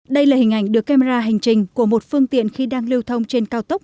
đây là hình ảnh được camera hành trình của một phương tiện khi đang lưu thông trên cao tốc